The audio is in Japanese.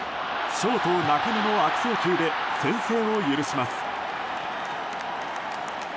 ショート、中野の悪送球で先制を許します。